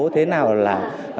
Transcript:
thế nào là